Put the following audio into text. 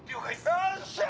よっしゃ！